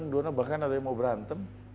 bahkan ada yang mau berantem